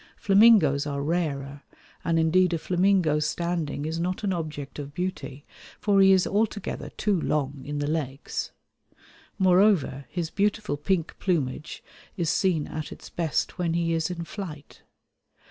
Flamingoes are rarer; and indeed a flamingo standing is not an object of beauty, for he is altogether too long in the legs. Moreover his beautiful pink plumage is seen at its best when he is in flight.